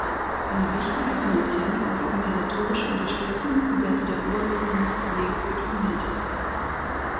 Eine wichtige finanzielle und organisatorische Unterstützung gewährte der Oberbürgermeister Leopold von Winter.